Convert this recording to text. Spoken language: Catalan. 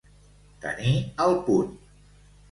Tenir al punt.